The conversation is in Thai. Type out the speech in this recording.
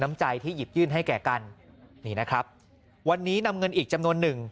น้ำใจที่หยิบยื่นให้แก่กันนี่นะครับวันนี้นำเงินอีกจำนวนหนึ่ง